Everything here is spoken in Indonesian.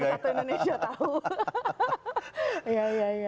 biar satu indonesia tahu